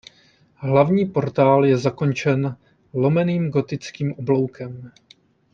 Hlavní portál je zakončen lomeným gotickým obloukem.